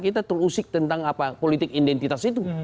kita terusik tentang politik identitas itu